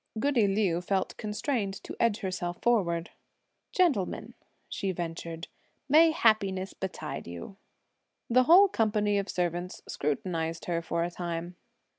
Goody Liu felt constrained to edge herself forward. "Gentlemen," she ventured, "may happiness betide you!" The whole company of servants scrutinised her for a time.